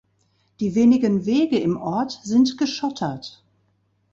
Die wenigen Wege im Ort sind geschottert.